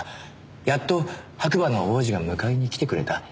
やっと白馬の王子が迎えに来てくれた。